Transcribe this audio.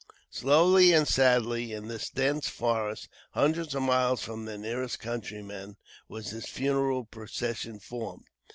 Slowly and sadly, in that dense forest, hundreds of miles from their nearest countrymen, was this funeral procession formed.